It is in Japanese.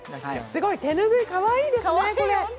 すごい手拭いかわいいですね。